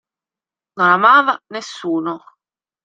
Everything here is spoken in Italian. Non amava nessuno.